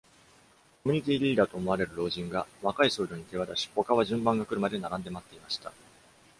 コミュニティーリーダーと思われる老人が若い僧侶に手渡し、ほかは順番が来るまで並んで待っていました。